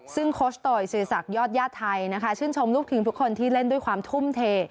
ซึ่งโคชโตยศิริษักยอดญาติไทยนะคะชื่นชมลูกทีมทุกคนที่เล่นด้วยความทุ่มเท